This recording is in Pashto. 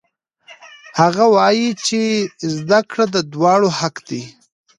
هغې وایي چې زده کړه د دواړو حق دی.